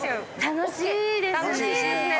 楽しいですね。